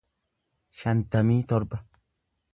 shantamii torba